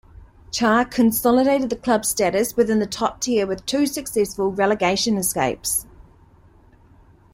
Cha consolidated the club's status within the top tier with two successful relegation escapes.